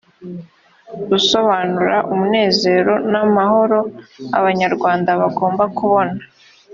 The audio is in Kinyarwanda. busobanura umunezero n amahoro abanyarwanda bagomba kubona